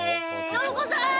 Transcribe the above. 信子さん！